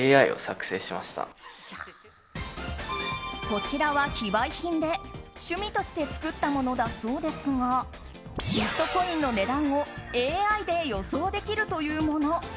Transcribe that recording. こちらは非売品で、趣味として作ったものだそうですがビットコインの値段をＡＩで予想できるというもの。